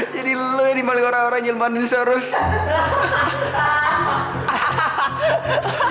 jadi lo yang dimalukan orang orang yang nyelmanin seharusnya